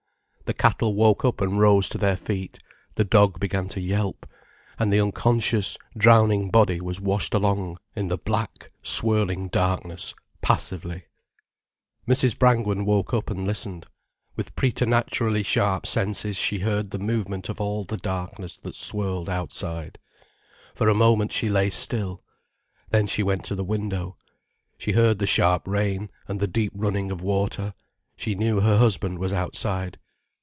The cattle woke up and rose to their feet, the dog began to yelp. And the unconscious, drowning body was washed along in the black, swirling darkness, passively. Mrs. Brangwen woke up and listened. With preternaturally sharp senses she heard the movement of all the darkness that swirled outside. For a moment she lay still. Then she went to the window. She heard the sharp rain, and the deep running of water. She knew her husband was outside.